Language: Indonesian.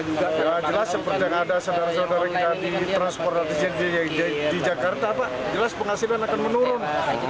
ya jelas seperti yang ada sedang sedang di transportasi di jakarta jelas penghasilan akan menurun